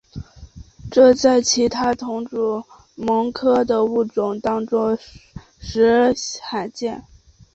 这在其他同属蠓科的物种当中实属罕见。